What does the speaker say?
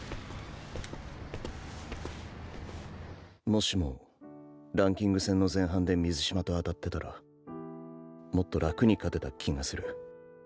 もしもランキング戦の前半で水嶋と当たってたらもっと楽に勝てた気がする。